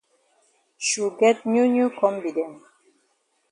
Shu get new new kombi dem.